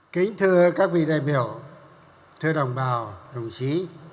kính thưa các vị đại biểu thưa đồng bào đồng chí